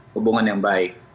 hubungan yang baik